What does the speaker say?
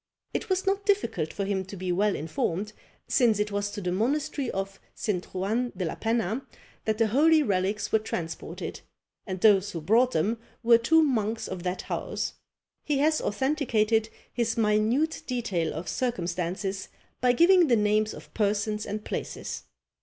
It was not difficult for him to be well informed, since it was to the monastery of St. Juan de la Penna that the holy relics were transported, and those who brought them were two monks of that house. He has authenticated his minute detail of circumstances by giving the names of persons and places.